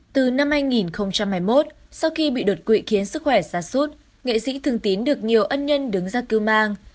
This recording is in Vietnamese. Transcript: từ năm hai nghìn hai mươi một sau khi bị đột quỵ khiến sức khỏe xa suốt nghệ sĩ thường tín được nhiều ân nhân đứng ra cư mang